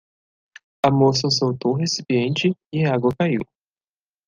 A moça soltou o recipiente? e a água caiu.